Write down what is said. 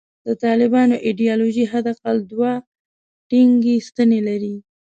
د طالبانو ایدیالوژي حد اقل دوې ټینګې ستنې لري.